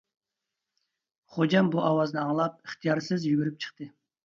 خوجام بۇ ئاۋازنى ئاڭلاپ ئىختىيارسىز يۈگۈرۈپ چىقتى.